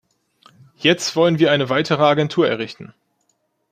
Jetzt wollen wir eine weitere Agentur errichten.